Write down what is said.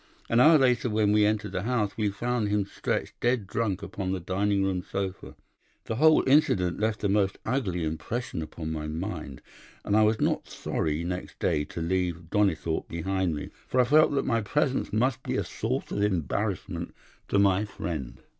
An hour later, when we entered the house, we found him stretched dead drunk upon the dining room sofa. The whole incident left a most ugly impression upon my mind, and I was not sorry next day to leave Donnithorpe behind me, for I felt that my presence must be a source of embarrassment to my friend.